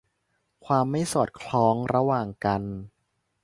ความไม่สอดคล้องระหว่างกัน